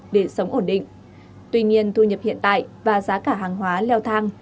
để sống ổn định tuy nhiên thu nhập hiện tại và giá cả hàng hóa leo thang